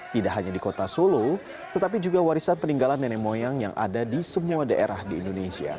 tidak hanya di kota solo tetapi juga warisan peninggalan nenek moyang yang ada di semua daerah di indonesia